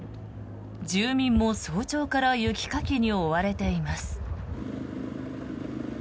住民も早朝から雪かきに追われています。